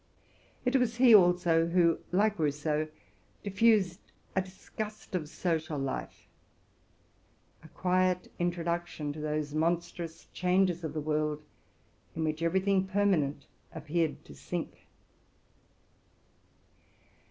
Jt was he also, who, like Rousseau, diffused a disgust of social life, — a quiet introduction to those monstrous changes of the world in which every thing permanent appeared to sink.